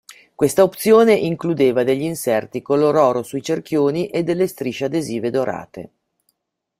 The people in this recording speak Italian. Questa opzione includeva degli inserti color oro sui cerchioni e delle strisce adesive dorate.